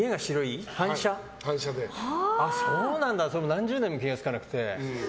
何十年も気が付かなくて。